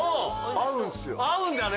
合うんだね。